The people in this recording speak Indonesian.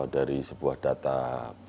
dari sebuah data bps